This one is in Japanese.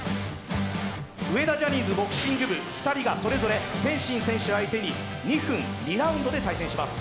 上田ジャニーズボクシング部、２人がそれぞれ天心選手相手に２分、２ラウンドで対戦します。